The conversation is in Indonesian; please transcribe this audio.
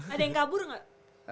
ada yang kabur gak